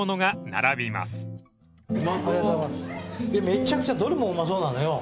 めちゃくちゃどれもうまそうなのよ。